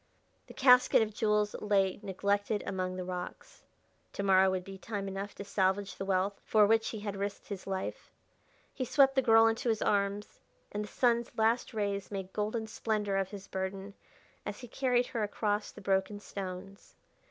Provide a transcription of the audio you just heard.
The casket of jewels lay neglected among the rocks: to morrow would be time enough to salvage the wealth for which he had risked his life. He swept the girl into his arms, and the sun's last rays made golden splendor of his burden as he carried her across the broken stones.